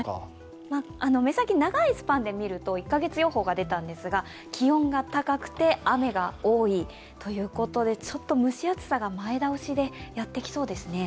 目先、長いスパンで見ますと、１カ月予報が出たんですが気温が高くて雨が多いということでちょっと蒸し暑さが前倒しでやってきそうですね。